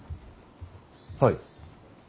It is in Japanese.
はい。